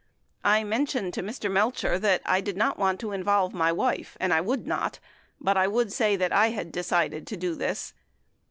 I mentioned to Mr. Melcher that I did not want to involve my wife and w T ould not, but I would say that I had decided to do this.